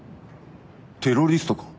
テロリストか？